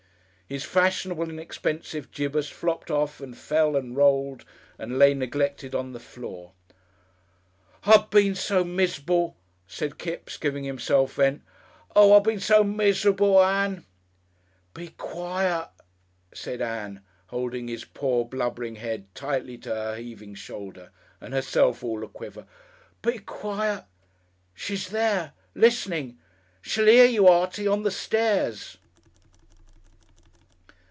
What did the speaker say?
His fashionable and expensive gibus flopped off and fell and rolled and lay neglected on the floor. "I been so mis'bel," said Kipps, giving himself vent. "Oh! I been so mis'bel, Ann." "Be quiet," said Ann, holding his poor, blubbering head tightly to her heaving shoulder, and herself all a quiver; "be quiet. She's there! Listenin'. She'll 'ear you, Artie, on the stairs...."